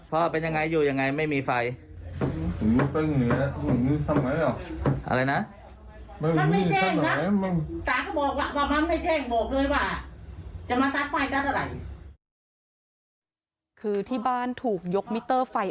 พ่อเป็นอย่างไรอยู่อย่างไรไม่มีไฟ